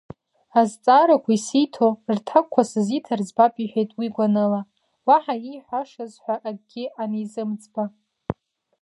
Азҵаарақәа исиҭо, рҭакқәа сызиҭар збап иҳәеит уи гәаныла, уаҳа ииҳәашаз ҳәа акгьы анизымыӡба.